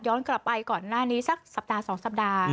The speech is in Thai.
ย้อนกลับไปก่อนหน้านี้แหล่งสักสัปดาห์๒สัปดาห์